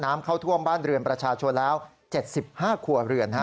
เข้าท่วมบ้านเรือนประชาชนแล้ว๗๕ครัวเรือน